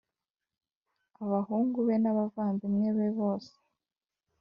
Abahungu be n’abavandimwe be bose